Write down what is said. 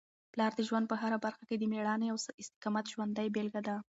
پلار د ژوند په هره برخه کي د مېړانې او استقامت ژوندۍ بېلګه ده.